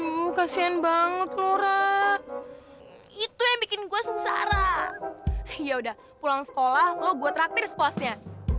ini pesan satu lagi ya orange juice ya